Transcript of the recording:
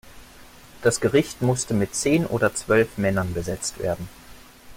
Das Gericht musste mit zehn oder zwölf Männern besetzt werden.